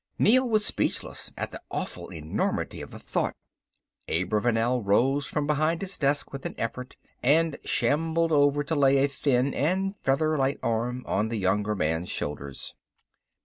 Neel was speechless at the awful enormity of the thought. Abravanel rose from behind his desk with an effort, and shambled over to lay a thin and feather light arm on the younger man's shoulders.